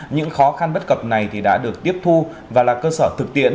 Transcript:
những khó khăn bất cập này đã được tiếp thu và là cơ sở thực tiễn